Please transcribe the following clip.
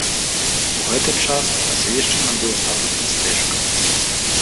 У гэты час паселішча набыла статус мястэчка.